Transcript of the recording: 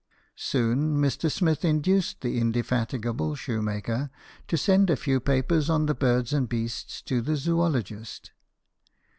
Soon Mr. Smith induced the indefatigable shoemaker to send a few papers on the birds and beasts to the Zoologist.